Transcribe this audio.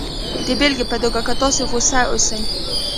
د بېلګې په توګه که تاسې غسه اوسئ